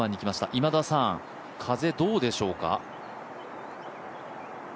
今田さん、風どうでしょうか？